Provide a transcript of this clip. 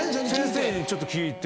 先生にちょっと聞いて。